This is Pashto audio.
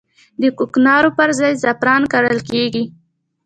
د کوکنارو پر ځای زعفران کرل کیږي